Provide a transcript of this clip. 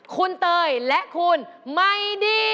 คุณเตยและคุณไม่ดี